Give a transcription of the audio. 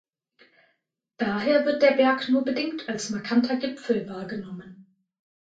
Daher wird der Berg nur bedingt als markanter Gipfel wahrgenommen.